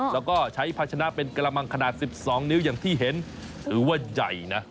แล้วก็ใช้ภาชนะเป็นกระมังขนาด๑๒นิ้วอย่างที่เห็นถือว่าใหญ่นะ